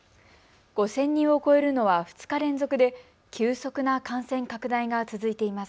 ５０００人を超えるのは２日連続で急速な感染拡大が続いています。